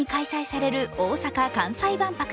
２０２５年に開催される大阪・関西万博。